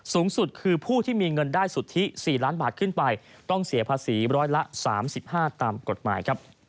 สูงสุดคือผู้ที่มีเงินได้สุทธิ๔ล้านบาทขึ้นไปต้องเสียภาษีร้อยละ๓๕ตามกฎหมายครับ